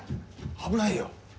危ないよ！